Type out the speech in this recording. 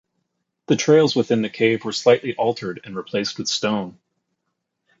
The trails within the cave were slightly altered and replaced with stone.